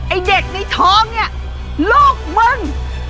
ไอ้เด็กในท้องเนี่ยลูกมึง